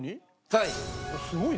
はい。